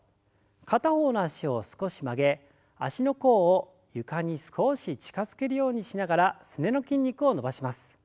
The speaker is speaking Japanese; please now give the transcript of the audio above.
片方の脚を少し曲げ足の甲を床に少し近づけるようにしながらすねの筋肉を伸ばします。